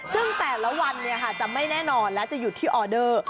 ซึ่งแต่ละวันจะไม่แน่นอนและจะหยุดที่ออเดอร์